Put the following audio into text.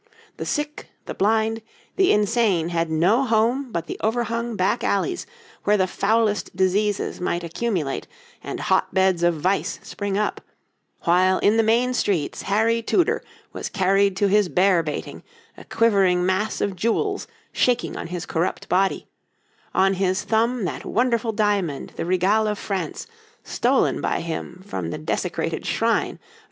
The sick, the blind, the insane had no home but the overhung back alleys where the foulest diseases might accumulate and hot beds of vice spring up, while in the main streets Harry Tudor was carried to his bear baiting, a quivering mass of jewels shaking on his corrupt body, on his thumb that wonderful diamond the Regale of France, stolen by him from the desecrated shrine of St. Thomas à Becket.